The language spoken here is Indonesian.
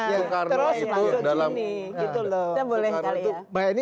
terus langsung gini